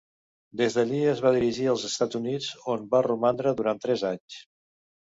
Des d'allí es va dirigir als Estats Units, on va romandre durant tres anys.